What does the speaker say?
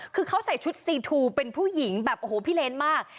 คือเขาใส่ชุดซีทูเป็นผู้หญิงแบบโอ้โหพี่เลนมาก